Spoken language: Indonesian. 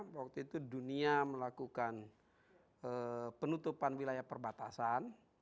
waktu itu dunia melakukan penutupan wilayah perbatasan